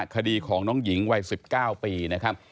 คดีของน้องหญิงวัย๑๙ปีนะครับ